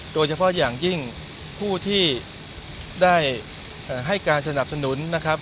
โดยเฉพาะอย่างยิ่งผู้ที่ได้ให้การสนับสนุนนะครับ